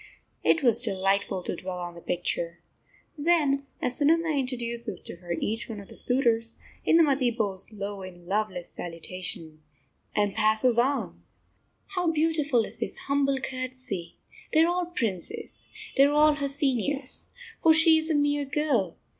It was delightful to dwell on the picture. Then as Sunanda introduces to her each one of the suitors, Indumati bows low in loveless salutation, and passes on. How beautiful is this humble courtesy! They are all princes. They are all her seniors. For she is a mere girl.